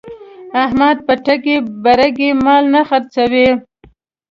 احمد په ټګۍ برگۍ مال نه خرڅوي.